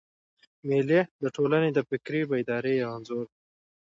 مېلې د ټولني د فکري بیدارۍ یو انځور دئ.